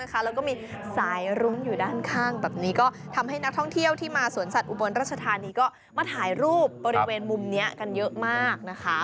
แล้วก็มีสายรุ้งอยู่ด้านข้างแบบนี้ก็ทำให้นักท่องเที่ยวที่มาสวนสัตว์อุบลรัชธานีก็มาถ่ายรูปบริเวณมุมนี้กันเยอะมากนะคะ